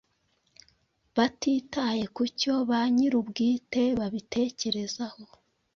batitaye ku cyo ba nyirubwite babitekerezaho